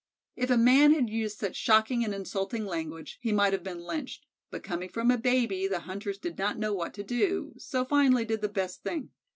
If a man had used such shocking and insulting language he might have been lynched, but coming from a baby, the hunters did not know what to do, so finally did the best thing.